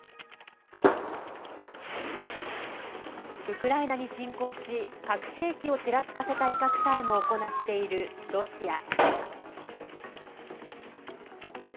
ウクライナに侵攻し核兵器をちらつかせた威嚇さえも行っているロシア。